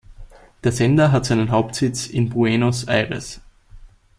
Der Sender hat seinen Hauptsitz in Buenos Aires.